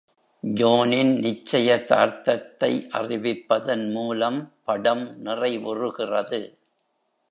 ஜோனின் நிச்சயதார்த்தத்தை அறிவிப்பதன் மூலம் படம் நிறைவுறுகிறது.